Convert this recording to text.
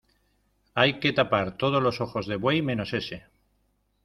hay que tapar todos los ojos de buey, menos ese